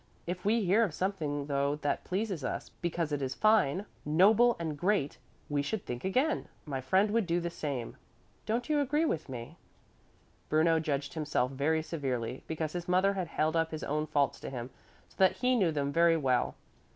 If we hear of something though that pleases us, because it is fine, noble and great, we should think again: My friend would do the same. Don't you agree with me?" Bruno judged himself very severely, because his mother had held up his own faults to him so that he knew them very well.